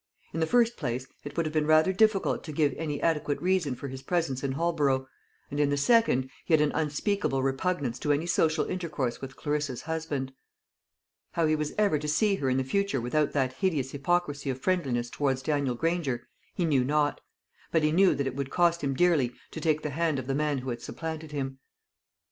In the first place, it would have been rather difficult to give any adequate reason for his presence in Holborough; and in the second, he had an unspeakable repugnance to any social intercourse with Clarissa's husband. How he was ever to see her in the future without that hideous hypocrisy of friendliness towards Daniel Granger, he knew not; but he knew that it would cost him dearly to take the hand of the man who had supplanted him.